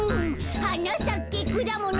「はなさけくだもの」